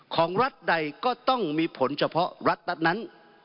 ของรัฐใดก็ต้องมีผลเฉพาะรัฐนั้น